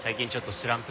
スランプ！？